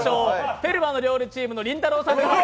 「フェルマーの料理」チームのりんたろーさんから。